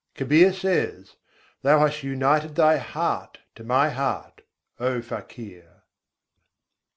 Kabîr says, "Thou hast united Thy heart to my heart, O Fakir!"